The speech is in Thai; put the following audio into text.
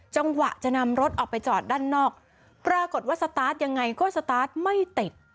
จังหวะจะนำรถออกไปจอดด้านนอกปรากฏว่าสตาร์ทยังไงก็สตาร์ทไม่ติด